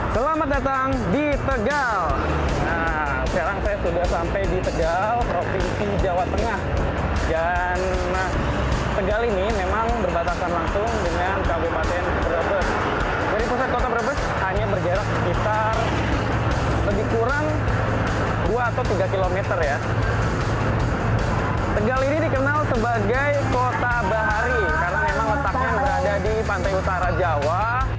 tegal ini dikenal sebagai kota bahari karena memang letaknya berada di pantai utara jawa